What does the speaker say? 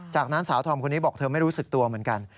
จากนั้นสาวธอมคนนี้บอกเธอไม่รู้สึกตัวเหมือนกัน